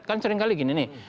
kan seringkali gini nih